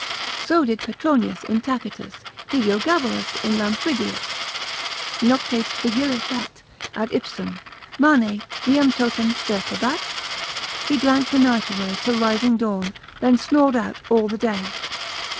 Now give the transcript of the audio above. So did Petronius in Tacitus, Heliogabalus in Lampridius. ———Noctes vigilibat ad ipsum Mane, diem totum stertebat?——— ———He drank the night away Till rising dawn, then snored out all the day.